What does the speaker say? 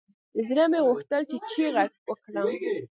زړه مې غوښتل چې چيغه وکړم.